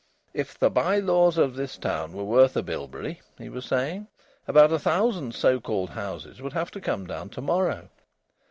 "If the by laws of this town were worth a bilberry," he was saying, "about a thousand so called houses would have to come down to morrow.